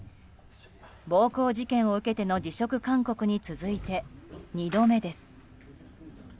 暴行事件を受けての辞職勧告に続いて、２度目です。